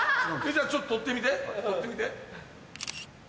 じゃちょっと撮ってみて撮ってみて。